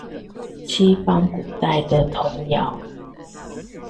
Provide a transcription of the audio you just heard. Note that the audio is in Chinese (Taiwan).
西方古代的童謠